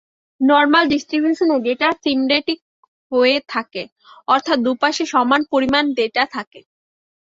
Normal ডিস্ট্রিবিউশনের data symmetric হয়ে থাকে অর্থাৎ দুপাশে সমান পরিমান ডেটা থাকে।